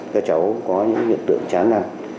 các cháu có những hiện tượng chán năng